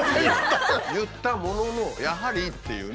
「言ったもののやはり」っていうね。